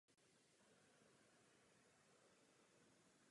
Výrazně se politicky angažoval i v meziválečném Rakousku.